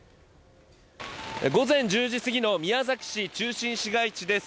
午前１０時すぎの宮崎市中心市街地です。